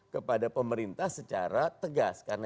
kepada pemerintah secara tegas